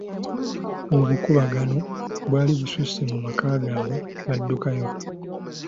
Obukuubagano bwali bususse mu maka gaabwe n'addukayo.